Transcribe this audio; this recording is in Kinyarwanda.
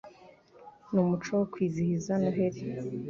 Ni umuco wo kwizihiza Noheri.